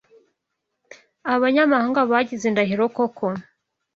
Abanyamahanga bangize indahiro koko